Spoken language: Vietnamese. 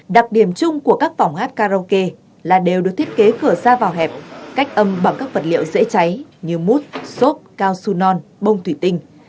đặc điểm chung của các phòng hát karaoke là đều được thiết kế cửa ra vào hẹp cách âm bằng các vật liệu dễ cháy như mút xốp cao su non bông thủy tinh